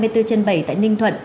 hai mươi bốn trên bảy tại ninh thuận